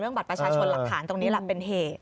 บัตรประชาชนหลักฐานตรงนี้แหละเป็นเหตุ